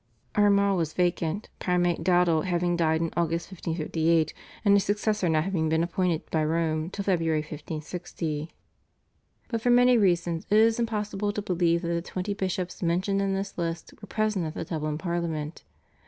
Armagh was vacant, Primate Dowdall having died in August 1558, and his successor not having been appointed by Rome till February 1560. But for many reasons it is impossible to believe that the twenty bishops mentioned in this list were present at the Dublin Parliament.